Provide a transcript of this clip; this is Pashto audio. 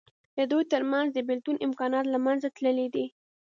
د دوی تر منځ د بېلتون امکانات له منځه تللي دي.